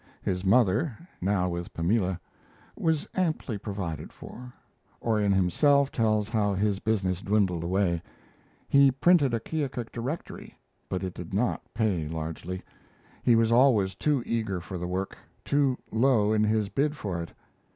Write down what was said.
His mother, now with Pamela, was amply provided for. Orion himself tells how his business dwindled away. He printed a Keokuk directory, but it did not pay largely. He was always too eager for the work; too low in his bid for it.